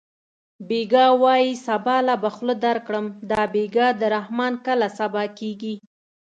بېګا وایې سبا له به خوله درکړم دا بېګا د رحمان کله سبا کېږي